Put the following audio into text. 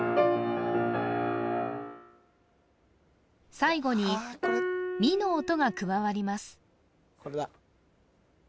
最後にミの音が加わります